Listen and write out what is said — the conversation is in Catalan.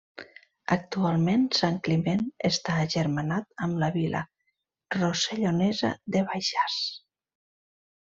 Actualment, Sant Climent està agermanat amb la vila rossellonesa de Baixàs.